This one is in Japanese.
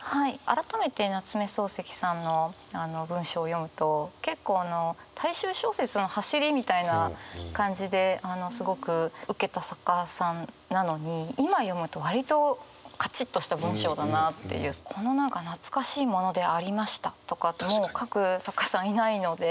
改めて夏目漱石さんの文章を読むと結構大衆小説のはしりみたいな感じですごくウケた作家さんなのに今読むと割とこの何か「懐かしいものでありました。」とかも書く作家さんいないので。